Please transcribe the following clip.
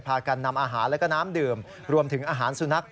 กันนำอาหารและก็น้ำดื่มรวมถึงอาหารสุนัข